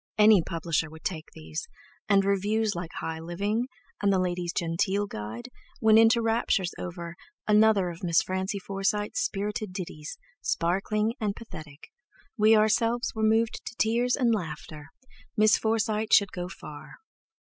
Any publisher would take these, and reviews like "High Living," and the "Ladies' Genteel Guide" went into raptures over: "Another of Miss Francie Forsyte's spirited ditties, sparkling and pathetic. We ourselves were moved to tears and laughter. Miss Forsyte should go far."